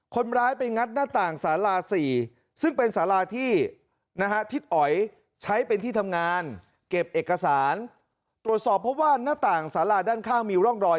เก็บเอกสารตรวจสอบเพราะว่าหน้าต่างสาราด้านข้างมีร่องรอย